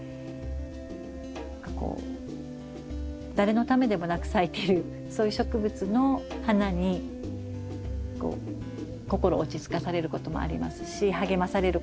何かこう誰のためでもなく咲いてるそういう植物の花にこう心落ち着かされることもありますし励まされることもありますし。